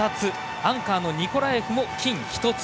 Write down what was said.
アンカーのニコラエフも金１つ。